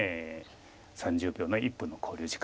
３０秒の１分の考慮時間。